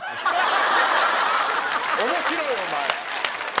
面白いお前！